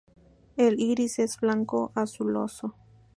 El iris es blanco-azuloso.